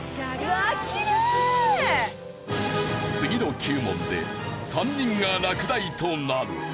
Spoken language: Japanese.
次の９問で３人が落第となる。